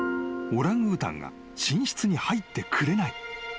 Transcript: ［オランウータンが寝室に入ってくれない］